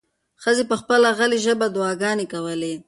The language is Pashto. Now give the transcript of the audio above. ښځې په خپله غلې ژبه دعاګانې کولې.